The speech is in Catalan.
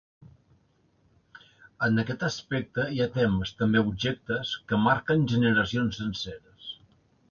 En aquest aspecte hi ha temes, també objectes, que marquen generacions senceres.